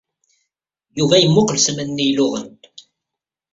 Yuba yemmuqqel s aman-nni iluɣen.